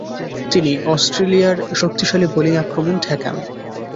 তিনি অস্ট্রেলিয়ার শক্তিশালী বোলিং আক্রমণ ঠেকান।